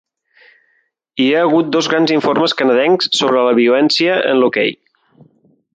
Hi ha hagut dos grans informes canadencs sobre la violència en l'hoquei.